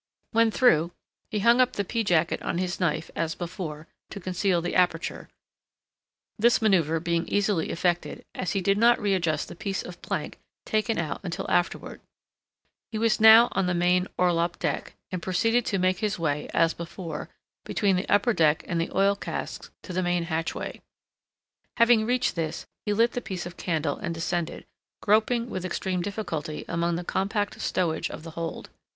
When through, he hung up the pea jacket on his knife, as before, to conceal the aperture—this manoeuvre being easily effected, as he did not readjust the piece of plank taken out until afterward. He was now on the main orlop deck, and proceeded to make his way, as before, between the upper deck and the oil casks to the main hatchway. Having reached this, he lit the piece of candle, and descended, groping with extreme difficulty among the compact stowage of the hold.